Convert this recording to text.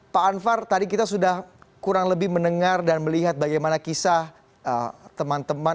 pak anwar tadi kita sudah kurang lebih mendengar dan melihat bagaimana kisah teman teman